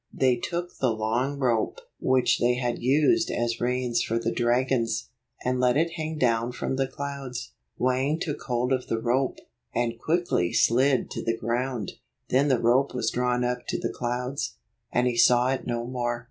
They took the long' rope 53 which they had used as reins for the dragons, and let it hang down from the clouds. Wang took hold of the rope, and quickly slid to the ground. Then the rope was drawn up to the clouds, and he saw it no more.